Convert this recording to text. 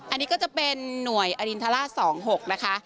อันนี้ก็จะเป็นหน่วยอรินทราช๒๖นะคะ